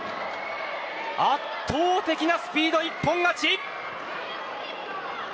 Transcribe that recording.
圧倒的なスピード一本勝ちです。